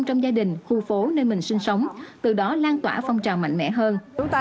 trong gia đình khu phố nơi mình sinh sống từ đó lan tỏa phong trào mạnh mẽ hơn